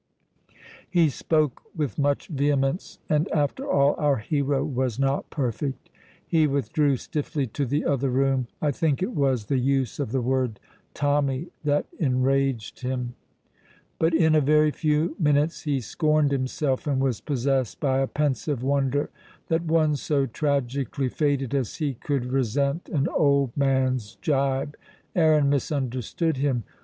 He spoke with much vehemence, and, after all, our hero was not perfect. He withdrew stiffly to the other room. I think it was the use of the word Tommy that enraged him. But in a very few minutes he scorned himself, and was possessed by a pensive wonder that one so tragically fated as he could resent an old man's gibe. Aaron misunderstood him.